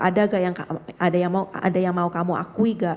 ada gak yang mau kamu akui gak